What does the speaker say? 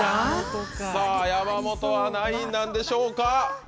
さぁ山本は何位なんでしょうか。